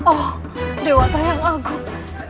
oh dewa ta yang agung